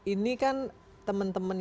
ini kan teman teman